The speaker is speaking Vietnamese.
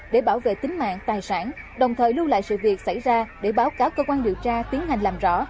để bảo vệ tính mạng tài sản đồng thời lưu lại sự việc xảy ra để báo cáo cơ quan điều tra tiến hành làm rõ